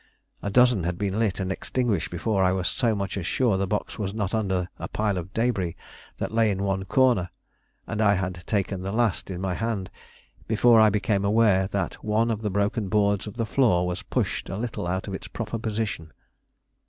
A dozen had been lit and extinguished before I was so much as sure the box was not under a pile of debris that lay in one corner, and I had taken the last in my hand before I became aware that one of the broken boards of the floor was pushed a little out of its proper position.